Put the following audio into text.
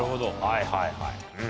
はいはいはい。